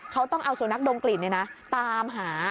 เขาต้องเอาส่วนนักดมกลิ่นเนี่ยนะตามหา